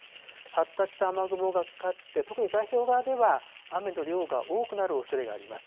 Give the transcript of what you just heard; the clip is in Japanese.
発達した雨雲がかかって、特に太平洋側では雨の量が多くなるおそれがあります。